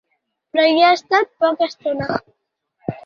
Però hi ha estat poca estona.